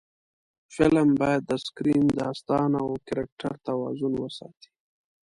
فلم باید د سکرېن، داستان او کرکټر توازن وساتي